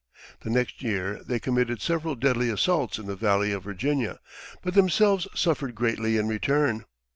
The next year they committed several deadly assaults in the Valley of Virginia, but themselves suffered greatly in return.